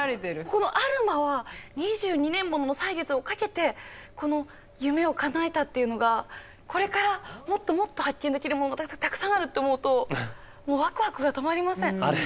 このアルマは２２年もの歳月をかけてこの夢をかなえたっていうのがこれからもっともっと発見できるものたくさんあるって思うともうワクワクが止まりません。